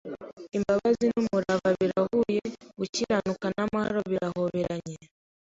Imbabazi n’umurava birahuye, gukiranuka n’amahoro birahoberanye”